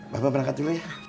bapak berangkat dulu ya